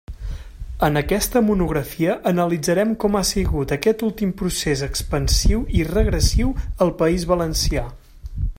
En aquesta monografia analitzarem com ha sigut aquest últim procés expansiu i regressiu al País Valencià.